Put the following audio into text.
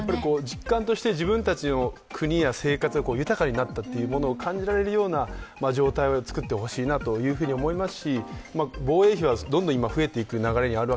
実感として自分たちの国や生活が豊かになったと感じられるような状態をつくってほしいなと思います。